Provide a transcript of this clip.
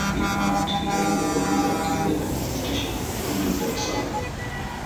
In fact, he held the office until the administration of Andrew Jackson.